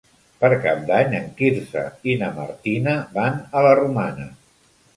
Per Cap d'Any en Quirze i na Martina van a la Romana.